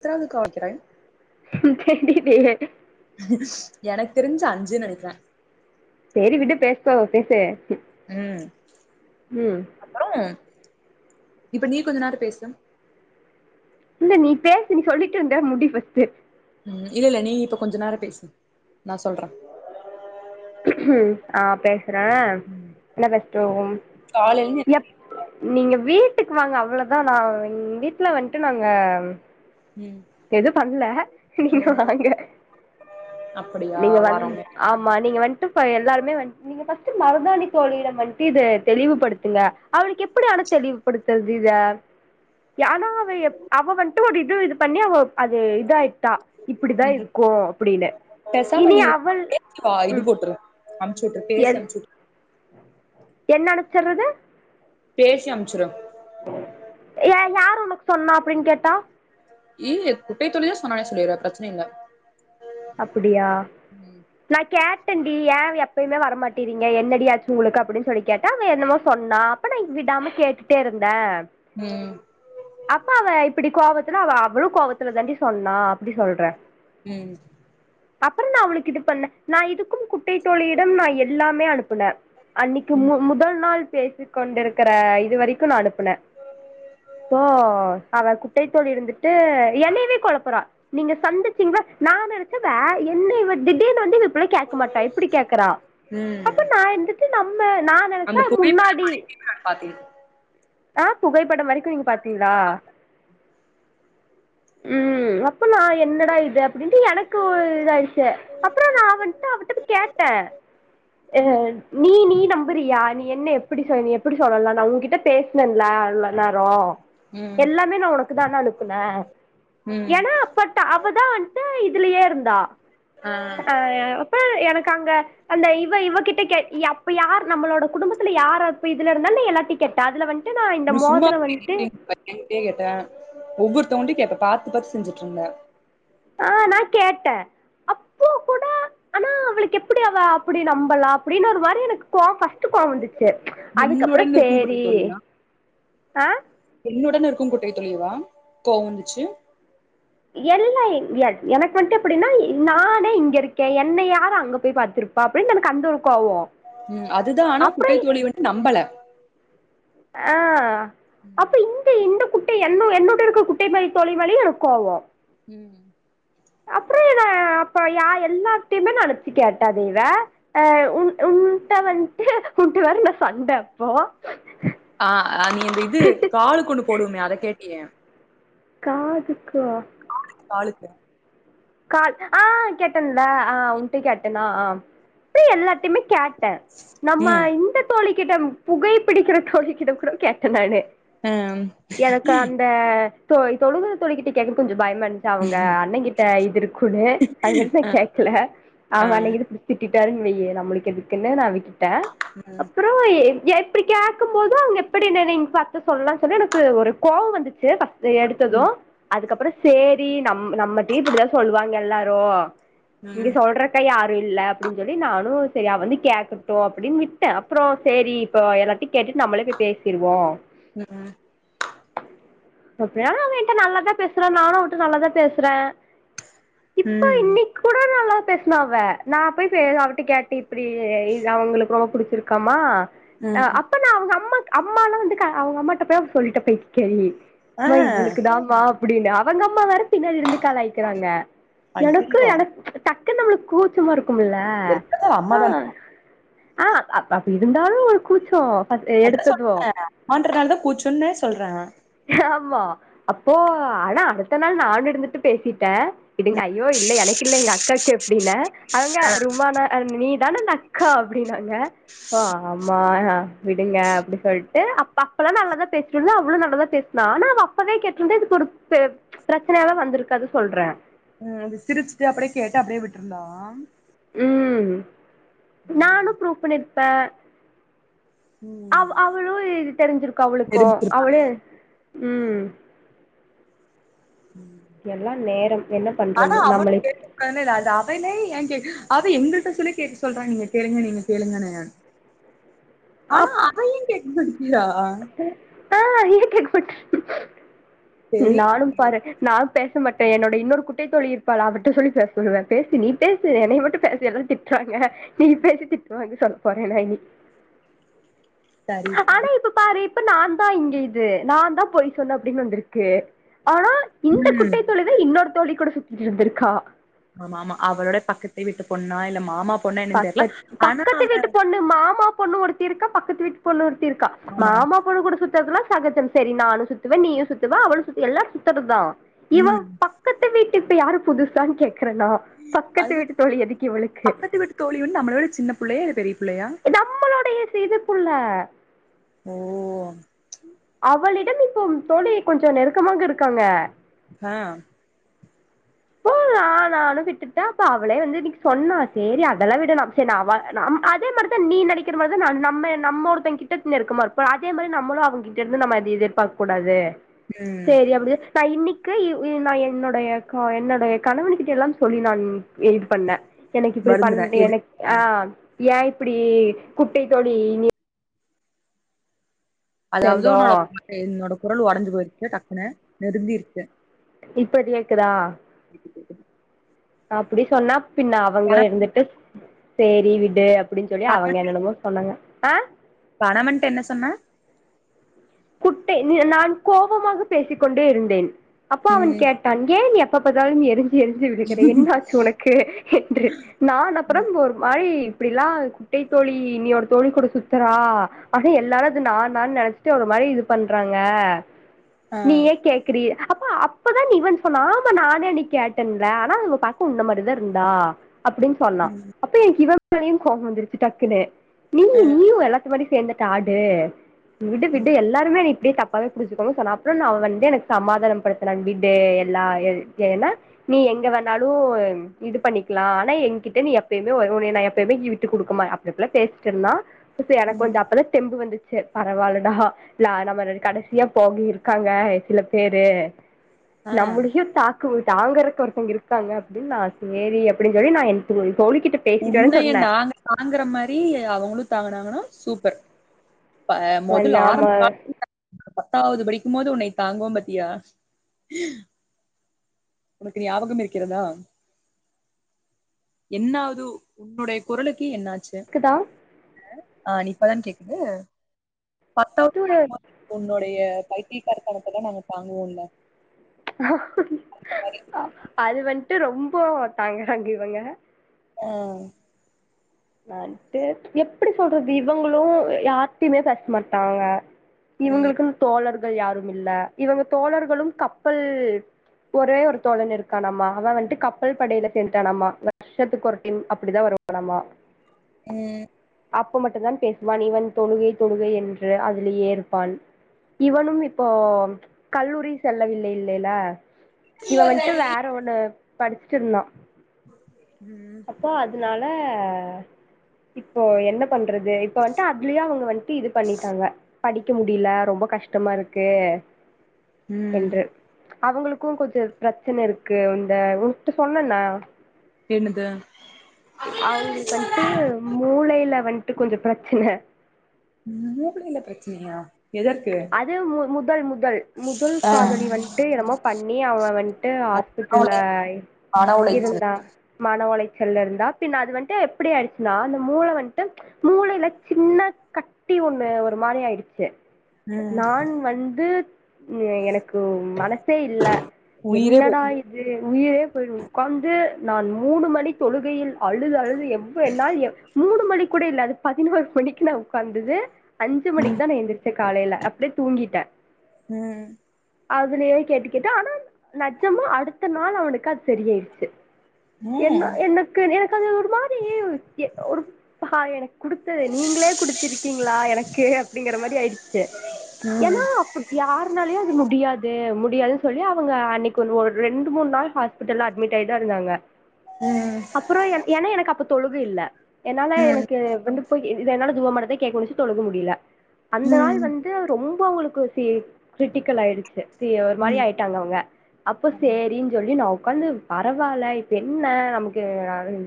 எத்னாது கா வெக்கிறேன் தெரிலயே எனக்கு தெரிஞ்சி அஞ்சுனு நனைக்குறன் செரி விடு பேசிக்கோ பேசு ம் அப்புறோம் இப்ப நீ கொஞ்ச நேரம் பேசு இல்ல நீ பேசு நீ சொல்லிட்டு இருந்த முடி ஃபஸ்ட்டு ம் இல்லல்ல நீ இப்போ கொஞ்சோ நேரம் பேசு நா சொல்ற ஆ பேசுறேன் என்ன பெஸட்டும் காலைல எப் நீங்க வீட்டுக்கு வாங்க அவ்ளோதா நா வீட்ல வந்ட்டு நாங்க ம் எது பண்ல நீங்க ம் வாங்க அப்படியா நீங்க வந் வரோங்க ஆமா நீ வன்டு ஃப எல்லாருமே வ நீங்க ஃபஸ்ட்டு மருதாணி தோலில வந்ட்டு இத தெளிவுபடுத்துங்க அவளுக்கு எப்டி ஆனா தெளிவ் படுத்துறது இத யானா அவ அவ வந்ட்டு ஒரு இது இது பண்ணி அவ அது இதாயிட்டா இப்படிதா ம் இருக்கு அப்படின்னு பேசாம இனி அவள் ம் அமுச்சுட்டு பேசி என் அனுப்ச்சுட்டு என்ன அனுப்ச்சர்றது பேசி அனுப்ச்சுரு யே யாரு உனக்கு சொன்னா அப்டின்னு கேட்டா ஏ குட்டைய தோழி தா சொன்னானே சொல்லிரு அது பிரச்சன இல்ல அப்பிடியா ம் நா கேட்டே ஏ எப்பயுமே வர மாட்டேறீங்க என்னடி ஆச்சு உங்களுக்கு அப்டின்னு சொல்லி கேட் டா அவ என்னமோ சொன்னா அப்ப நா விடாம கேட்டுட்டே இருந்தே ம் அப்ப அவ இப்படி கோவத்துல அவ அவளு கோவத்துல தாண்டி சொன்னா அப்படி சொல்றே ம் அப்புறம் நா அவளுக்கு இது பண்ணே நா இதுக்கும் குட்டை தோழியிடம் நா எல்லாமே அனுப்புனே அன்னைக்கு ம் மு முதல் நாள் பேசி கொண்டிருக்கிற இது வரைக்கு நா அனுப்புனே ஓ அவ குட்டைத்தோழி இருந்துட்டு என்னையவே கொழப்புறா நீங்க சந்திச்சீங்களா நா நெனைச்சே வே என்ன இவ திடிர்னு வந்து இவ இப் கேக்க மாட்டா எப்பிடி கே்குறா ம் அப்ப நா எந்துச்சு நம்ம நா நெனைச்சே அவ முன்னாடி க பாத்தி ஆ புகைப்படம் வரைக்கு நீங்க பாத்தீங்களா [unintelligible] ம் அப்ப நா என்னடா இது அப்டின்ட்டு எனக்கு ஒரு இது ஆயிடுச்சு அப்புற நா வந்ட்டு அவட்ட கேட்டே ஆ ஆ ம் நீ நீ நம்புறியா நீ என்ன எப்படி சொ நீ எப்படி சொல்லலா நா உன்கிட்ட பேசுனேன்லா அவ்ளோ நேரோ ம் எல்லாமே நா உனக்கு தான அனுப்புனே ம் ஏனா பட் அவதா வந்ட்டு இதுலயே இருந்தா ஆ ஆ அப்ப எனக்கு அங்க அந்த இவ இவகிட்ட கேக் யப் யார் நம்மளோட குடும்பத்துல யாரு அப்ப இதுல இருந்தாலே எல்லாத்தையு கேட்டா அதுல வந் ட்டு நா இந்த மோதிர வந்ட்டு அவ என்கிட்டயே கேட்டா ஒவ்வொருத்தவுங்கட்டயு கேப்பே பாத்து பாத்து செஞ்சுட்டு இருந்தே ஆ நா கேட்டே அப்போ அப்போ கூட ஆனா அவளுக்கு எப்பிடி அவ அப்பிடி நம்பலா அப்டின்னு ஒரு மாரி எனக்கு கோவ் ஃபஸ் ட்டு கோவோ வந்துச்சு அதுக்கப்புற என்னுடன் இருக்கும் குட்டை சேரி தோழியா ஆ என்னுடன் இருக்கு குட்டை தோழியவா கோவ வந்துச்சு எல்லா [unintelligible] எனக்கு மட்டு இப்டின்னா நானே இங்க இருக்கே என்னை யாரு அங்க போய் பாத்திருப் பா அப்டின்னு எனக்கு அந்த ஒரு கோவோ ம் அதுதா ஆனா குட்டைத்தோழி வந்துட்டு நம்பல ஆ அப்ப ம் இந்த எந்த கு என் என்னோட்டு இருக்க குட்டைம தோழிமேலயு கோவோ ம் அப்புறோ என்ன அப்ப யா எல்லாத்தயுமே நெனச்சு கேட்டா தேவ அ உன் உன்ட வன்ட்டு உன்ட்ட வர நா சண்ட அப்போ ஆ நீ அ இது கால கொண்டு போடுவமே அத கேட்டியே காதுக்கோ காலுக்கு கால் ஆ கேட்டேன்ல ஆ உன்ட்ட கேட்டனா ஆ எல்லாத்தையுமே கே ட்ட நம்ம ம் இந்த தோழிக்கிட்ட புகை பிடிக்கிற தோழிக்கிட்ட கூட கேட்ட நானு ம் அ தொழுத தோழிகிட்ட கேக்க கொஞ்ச பயமா இருந்துச்சா அவங்க அண்ண கிட் இது இருக்குன்னு அதுக்கடுத்து நா கேக்கல அ அ அவங்க அன்னைக் திட்டிட்டாருன்னு வையி நம்மளுக்கு எதுக்குன்னு நா விட்டுட்ட அப்றோ எப்டி கேட்கும் போது அவங்க எப்டி நெனங் பாத்து சொல்லானு சொல்லி எனக்கு ஒரு கோவோ வந்துச்சு எடுத்தது ம் அதுக்குப்புறோ சேரி நம் நம்மட்டி இப்டிதா சொல்லுவாங்க எல்லாரு இங்க ம் சொல்றக் க்க யாரு இல்ல அப்டின்னு சொல்லி நானு சரி அவ வந்து கேக்கட்டு அப்டின்னு விட்ட அப்றோ சேரி இப்போ எல்லாத்தையு கேட்டு நம்மளே போய் பேசிருவோ ம் அப்டியானு அவ என்ட்ட நல்லாதா பேசுறா நானு அவட்ட நல்லாதா பேசுற ம் கூட நல்லா பேசனாஅவ நா போய் அவட்ட கேட்டு இப்டி அவங்களுக்கு ரொம்ப புடிச்சிருக்கு க்கமா ம் ம் அப்ப நா அவங்க அம்மா அம்மால்லா வந்து அவுங்க அம்மாட்ட போய் அவ சொல்லிட்ட பைத்தியகாரி ஆ அம்மா இவளுக் குதா மா அப்டின்னு அவங்க அம்மா வேற பின்னாடி இருந்து கலாய்கிறாங்க எனக்கு ஐயையோ எனக் டக்குனு நம்மளுக்கு கூச்சமா இருக்குமுல்ல என்னது அம்மா தான ஆ அப்ப அப்ப இருந்தாலு ஒரு கூச்சோ அதா சொல்ற எடுத்தது அம்மான்றனாலதா கூச்சொன்னே சொல்ற ஆமா அப்போ ஆனா அடுத்த நாள் நான் இருந்துட்டு பேசிட்ட கிடிங் ஐயோ இல்ல எனக்கில்ல எங்க அக்காக்கு அப்டின்ன அவங்க ருமானா நீ தான அந்த அக்கா அப்டின்னாங்க ஓ ஆமா விடுங்க அப்டி சொல்ட்டு அப்ப அப்பதா நல்லதா பேசிட்ருந்தோ அவளு நல்லாதா பேஸ் நானா அவ அப்பவே கேட்ருந்தா இதுக்கு ஒரு பிரச்சனயாவே வந்துருக்காது சொல்ற சொல்றேன் ம் அது சிரிச்சுட்டு அப்டே கேட்டு அப்டே விட்டுருந்தோ ம் நானு ப்ரூஃப் பண்ணிருப்ப அவ் ம் அவ்ளு இது தெரிஞ்சிருக்கு அவ்ளுக்கு நிரூபிச்சிருக்கா. அவ்ளு ம் எல்லாம் நேரம் என்ன பண்றது நம்மளை ஒடனே அது அவனே எங் அவ எங்கள்ட்ட சொல்லி கேக்க சொல்றா நீங்க கேளுங்க நீங்க கேளுங்கன்னு [unintelligible] ஆனா அப்ப அவ ஏ கேக்க மாட்டிக்கிறா ஆ இங்க [unintelligible] நானு தெரியல பர நா பேச மாட்ட என்னோட இன்னொரு குட்டைத் தோழி இருப்பா அவட்ட சொல்லி பேச சொல்லுவ பேசு நீ பேசு என்னைய மட்டு எல்லா திட் காங்க நீ பேசி திட்டுவாங்கு சொல்ல போற நா இனி சரி ஆனா சரி இப்ப இப்ப நா தா இங்க இது நா தா பொய் சொன்ன அப்டின்னு வந்துருக்கு ஆனா இல்லே தொழுது இன்னொரு தோழி கூட சுத்திட்டு இருந்திருக்கா ஆமாமா அவரோட பக்கத்து விட்டு பொண்ணா இல்ல மாமாப் பக்கத் பக்கத்து வீட்டு பொண்ணு மாமா பொண்ணு ஒருத்தி இருக்கா பக்கத்து வீட்டு பொண்ணு ஒருத்தி இருக்கா ஆமா ஆமா மாமா பொண்ணு கூட சுத் தரதெல்லா சகஜம் சரி நானு சுத்துவே நீயு சுத்துவ அவளு சுத்து எல்லாரு சுத்துறதா இவ ம் பக் கத்து வீட்டுக்கு இப்ப யாரு புதுசான் கேக்குறேனா பக்கத்து அது வீட்டு தோழி எதுக்கு இவளுக்கு பக்கத்து வீட்டு தோழி வந்து நம்மளோட சின்ன புள்ளையா இல்ல பெரிய புள்ளையா நம்மளுடய இது புள்ள ஓ அவளிடம் இப்போ தோழி கொஞ்ச நெருக்கமாக இருக்காங்க ஆ ஆனா நானு விட்டுட்ட அப்ப அவளே வந்து நீ சொன்னா செரி அதெல்லா விடு நா செரி நா அவ நம் அதே மா தா நீ நனக் கீற மாதிரிதா ந நம்ம நம்ம ஒருத்தங் கிட்ட நெருக்கமா இருப்போ அதே மாரி நம்மளு அவங்கிட்ட இருந்து நம்ம அது எதிர்பாக்க கூடாது ம் செரி அப்டி நா இன்னிக்கு இ இ நா என்னுடைய ஆ என்னனுடைய கணவனு கிட்டல்லா சொல்லி நான் இது பண்ணே எனக்கு இப்டி பண் வருந்துறே எனக் எதுக்கு ஆ ஏ இப்டி குட்டை தோழி நீ அதாவ்து சேந்தோ உன்னோட [inaudible] என்னோட குரல் ஒடஞ்சு போயிருச்சு டக்குன்னு நெருந்திருக்கு இப்ப கேக்குதா அப்டி சொன்னா பின்ன அவங்க இருந்துட்டு சேரி விடு அப்டின்னு சொல்லி அவங்க என்னென்னமோ சொன்னாங்க ஆ கணவன்ட்ட என்ன சொன்ன குட்டை நா கோபமாக பேசிக் கொண்டே இருந்தே அப்போ அவன் ம் கேட் தா ஏன் எப்ப பாத்தாலும் நீ எரிஞ்சு எரிஞ்சு விழுக்கிற என்ன ஆச்சு உனக்கு என்று நான் அப்றம் ஒரு மாரி இப்டிலா குட்டை தோழி இன்னியொரு தோழி கூட சுத்துறா ஆனா எல்லாரு அது நா தா நெனைச்சிட்டு ஒரு மாரி இது பன்றாங்க ஆ நீயே கே க்கிறியே அப்ப அப்பதா இவன் சொன்னா ஆமா நானே அன்னைக்கேட்டேன்ல ஆனா அவங்க பாக்க உன்ன மாரிதா இருந்தா அப்டின் சொன்னா அப்ப எனக்கு இவன்மேலையு கோவ வந்துருச்சு டக்குன்னு நீ ஆ கு எல்லாத்து முன்னாடியு சேந்துட்டு ஆடு விடு ம் எல்லாருமே என்ன இப்டியே தப்பாவே புரிச்சிக்கோங்க சொன்ன அப்ற ந அவ வந்து எனக்கு சமாதானம் படுத்தனா விடு எல்லா எ ஏனா நீ எங்க வேணாலு இது பண்ணிக்கலா ஆனா எங்கிட்ட நீ எப்பயுமே உ உன்னைய நா எப்பயுமே விட்டு குடுக்குமா அப் பல பேசிட்டு இருந்தா செரி எனக்கு கொஞ்ச ம் அப்பதா தெம்பு வந்துச்சு பரவால்லடா ல்ல நம்ம கடைசியா போக இருக்காங்க சில பேரு ஆ நம்மளயு தாக் கு தாங்கறக்கு ஒருத்தங்க இருக்காங்க அப்டின்னு நா செரி அப்டின் சொல்லி நா எனக் தோழிக்கிட்ட உன்னைய நாங்க தாங்குற மாரி அவங்களு தாங்கனாங்கன்னா சூப்பர் ப்பா மொதல் வல்லாம ஆரம்ப கா [unintelligible] பத்தாவது படிக்கும் போது உன்னை தாங்குவோ பாத்தியா உனக்கு ஞாபகம் இருக்கிறதா என்னாவ்து உன்னுடைய குரலுக்கு என்னாச்சு க்குதா ப்ப அ ஆன் இப்பதான் கேக்குது பத்தா தூ ரே உன்னுடைய பைத்திய காரத்தனதெலா நாங்க தாங்குவோல அது வந்ட்டு ரொம்போ தாங்கராங்க இவங்க ஆ நான்ட்டு எப்டி சொல்றது இவங்களு யார்டையுமே பேச மாட்டாங்க ம் இவுங்குளுக்குன் தோழர்கள் யாரும் இல்ல இவங்க தோழர்களும் கப்பல் ஒரே ஒரு தோழன் இருக்கானம்மா அவ வந்ட்டு கப்பல் படையில சேந்துட்டானாம்மா ஷத்துக்கு ஒரு டைம் அப்படிதா வருவானாமா ம் அப்ப மட்டுந்தான் பேசுவான் இவன் தொழுகை தொழுகை என்று அதுலயே இருப்பான் இவனும் இப்போ கல்லூரி செல்லவில்லை இல்லைல இவ வந்ட்டு வேற ஒண்ணு படுச்சுட்ருந்தா ம் சோ அதனால இப்போ என்ன பண்றது இப்ப வந்துட்டு அதுலயே அவங்க வன் டு இது பண்ணிட்டாங்க படிக்க முடியல ரொம்ப கஷ்டமா இருக்கு ம் என்று அவங்களுக்கு கொஞ்சோ பிரச்சன இருக்கு இந்த உன்கிட்ட சொன்னனா என்னது அவங்களுக்கு வந்ட்டு மூளையில வந்ட்டு கொஞ்சோ பிரச்சன மூளைள பிரச்சனையா எதற்கு அது மு முதல் முதல் முதல் காதலி வந்ட்டு என்னமோ பண்ணி அவன் வந்ட்டு ஹாஸ் சுட்டுல்லாய் மன உளைச்சல் மன உளைச்சல்ல இருந்தா பின்ன அது வந்ட்டு எப்புடி ஆயிடுச்சுன்னா அந்த மூள வந்ட்டு மூளைல சின்ன கட்டி ஒண்ணு ஒரு மாரி ஆய்டுச்சு ம் நான் வந்து எனக்கு மனசே இல்ல உயிரே என்னடா போய் உயிரே போய்ரு உக்காந்து நான் மூணு மணி தொழுகையில் அழுது அழுது எவ்வோ என்னால் மூணு மணி கூட இல்ல அது பதினோரு மணிக்கு நா உக்காந்தது அஞ்சு மணிக்குதா நா எந்துருச்ச காலைல அப்டியே தூங்கீட்ட ம் அதுலயே கேட்டு கேட்டு ஆனா நெஜமா அடுத்த நாள் அவனுக்கு அது சரியாயிருச்சு என்ன ம் எனக்கு எனக்கு அது ஒரு மாரி ஒரு எ ஒரு ஹாய் எனக் குடுத்தது நீங்ளே குடுத்திருக்கீங்களா எனக்கு அப்டிங்கற மாரி ஆய்டுச்சு ஏன்னா யாருனாலயு அது முடியாது முடியாதுன்னு சொல்லி அவங்க அன்னைக்கு ஒன்னு ஒரு ரெண்டு மூணு நாள் ஹ பிட்ல்ல அட்மிட் ஆய்தா இருந்தாங்க ம் அப்றோ என் ஏன்னா எனக்கு அப்ப தொழுக இல்ல என்னால எனக்கு வந்து இப்போ இ இத என்னால துவ மார்ரதா கேக்க முடிஞ்சு தொழுக முடியல அந்த நாள் ம் வந் து ரொம்ப அவங்களுக்கு சி கிரிட்டிக்கல் ஆய்டுச்சு சி ஒரு மாரி ம் ஆய்ட்டாங்க அவங்க அப்போ சேரின் சொல்லி நா உக்காந்து பரவால்ல இ இப்ப என்ன நமக்கு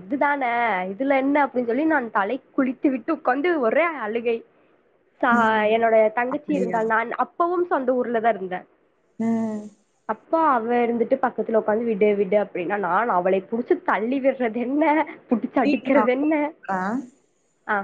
இதுதான இதுல என்ன அப்டின்னு சொல்லி நான் தலை குளி த்து விட்டு உக்காந்து ஒரே அழுகை சா ம் என்னோட தங்கச்சி இருந்தா அப்படியா நான் அப்பவும் சொந்த ஊர்ல தா இருந்த ம் அப்ப அவ இருந்துட்டு பக்கத்துல உக்காந்து விடு விடு அப்டின்னா நான் அவு அவளை புடிச்சு தள்ளி விட்றது என்ன புடிச்சு அடிக்கறது என்ன ஆ ஆ